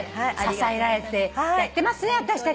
支えられてやってますね私たち。